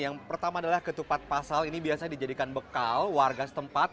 yang pertama adalah ketupat pasal ini biasanya dijadikan bekal warga setempat